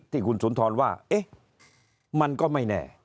ที่คุณสุนทรว่าเอ๊ะมันก็ไม่แน่